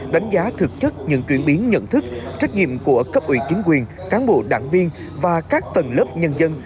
đánh giá thực chất những chuyển biến nhận thức trách nhiệm của cấp ủy chính quyền cán bộ đảng viên và các tầng lớp nhân dân